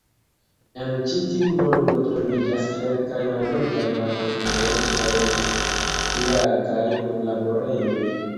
En ĉi tiu volumo troviĝas kelkaj mallongaj rakontoj el Gulagaj punlaborejoj.